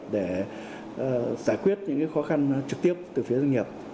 để giải quyết những khó khăn trực tiếp từ phía doanh nghiệp